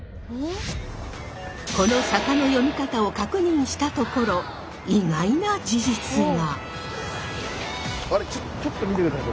この坂の読み方を確認したところ意外な事実が！